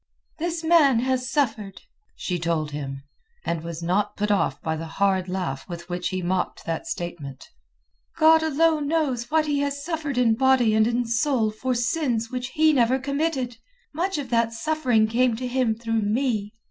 "This man has suffered," she told him, and was not put off by the hard laugh with which he mocked that statement. "God alone knows what he has suffered in body and in soul for sins which he never committed. Much of that suffering came to him through me.